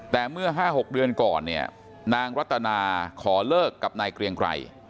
แต่เมื่อ๕๖เดือนก่อนเนี่ยนางรัตนาขอเลิกกับนายเกรียงไกร